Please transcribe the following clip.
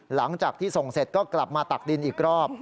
หลังจากที่ส่งเสร็จก็กลับมาตักดินอีกรอบ